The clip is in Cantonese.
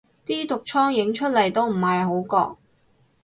啲毒瘡影出嚟都唔係好覺